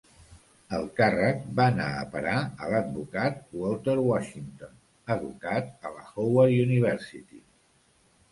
El càrrec va anar a parar a l"advocat Walter Washington, educat a la Howard University.